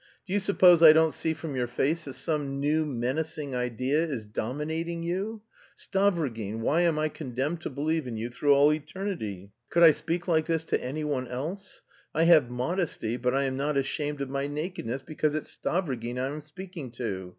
Do you suppose I don't see from your face that some new menacing idea is dominating you?... Stavrogin, why am I condemned to believe in you through all eternity? Could I speak like this to anyone else? I have modesty, but I am not ashamed of my nakedness because it's Stavrogin I am speaking to.